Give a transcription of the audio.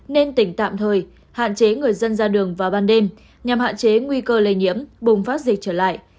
nên tỉnh tạm thời hạn chế người dân ra đường vào ban đêm nhằm hạn chế nguy cơ lây nhiễm bùng phát dịch trở lại